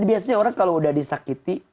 dan biasanya orang kalau udah disakiti